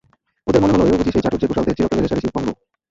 ওদের মনে হল এও বুঝি সেই চাটুজ্যে-ঘোষালদের চিরকেলে রেষারেষির অঙ্গ।